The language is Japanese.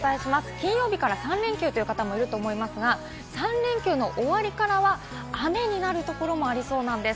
金曜日から３連休という方もいると思いますが、３連休の終わりからは雨になるところもありそうなんです。